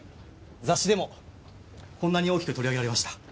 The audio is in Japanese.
雑誌でもこんなに大きく取り上げられました。